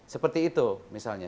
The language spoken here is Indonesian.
seperti itu misalnya